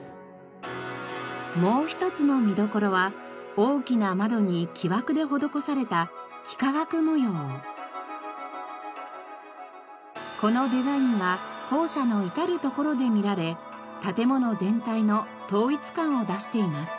もう一つの見どころは大きな窓にこのデザインは校舎の至るところで見られ建物全体の統一感を出しています。